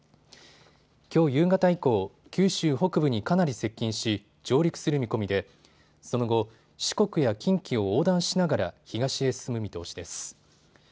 きょう夕方以降、九州北部にかなり接近し、上陸する見込みでその後、四国や近畿を横断しながら東へ進む見通しです。